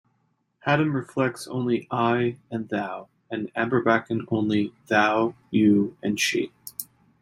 Hattam reflects only "I" and "thou", and Amberbaken only "thou", "you", and "she".